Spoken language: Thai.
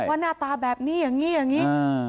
หน้าตาแบบนี้อย่างนี้อย่างนี้